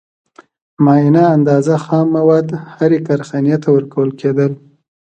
معینه اندازه خام مواد هرې کارخانې ته ورکول کېدل